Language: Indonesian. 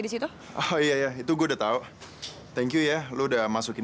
paling nomernya juga udah gak aktif